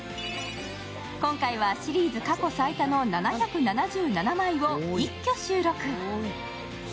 今回はシリーズ過去最多の７７７枚を一挙収録。